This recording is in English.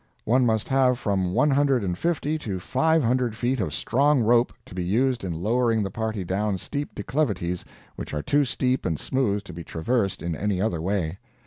One must have from one hundred and fifty to five hundred feet of strong rope, to be used in lowering the party down steep declivities which are too steep and smooth to be traversed in any other way.